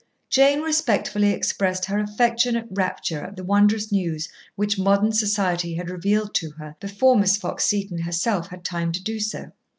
Jane respectfully expressed her affectionate rapture at the wondrous news which "Modern Society" had revealed to her before Miss Fox Seton herself had time to do so.